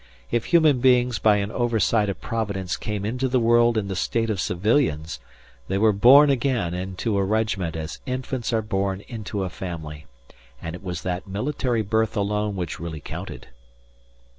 If human beings by an oversight of Providence came into the world in the state of civilians, they were born again into a regiment as infants are born into a family, and it was that military birth alone which really counted.